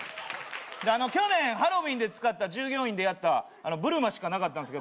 あの去年ハロウィーンで使った従業員でやったブルマーしかなかったんですけどこれでいいですか？